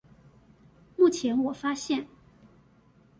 目前我發現